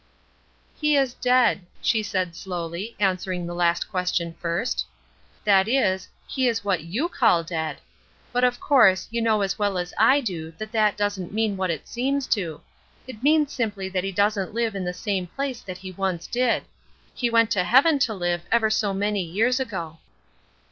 "He is dead," she said, slowly, answering the last question first. "That is, he is what you call dead. But, of course, you know as well as I do that that doesn't mean what it seems to; it means simply that he doesn't live in the same place that he once did. He went to heaven to live ever so many years ago."